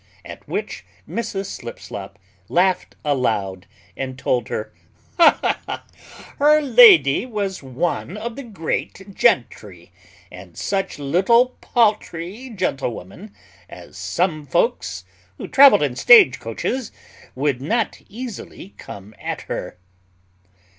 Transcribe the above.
At which Mrs Slipslop laughed aloud, and told her, "Her lady was one of the great gentry; and such little paultry gentlewomen as some folks, who travelled in stagecoaches, would not easily come at her."